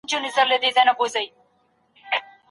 د دلارام د سیند اوبه د هامون صابري خواته بهېږي.